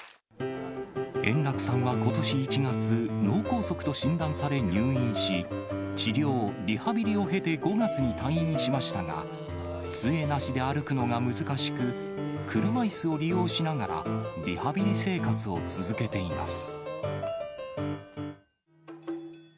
円楽さんはことし１月、脳梗塞と診断され入院し、治療、リハビリを経て５月に退院しましたが、つえなしで歩くのが難しく、車いすを利用しながらリハビリ生活を続けています。